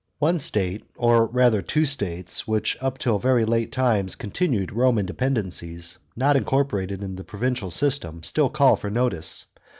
One state, or rather two states, which up to very late times continued Roman dependencies, not incorporated in the provincial system, still call for notice.